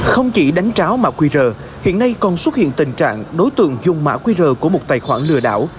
không chỉ đánh tráo mã qr hiện nay còn xuất hiện tình trạng đối tượng dùng mã qr của một tài khoản lừa đảo